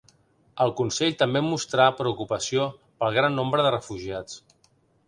El Consell també mostrà preocupació pel gran nombre de refugiats.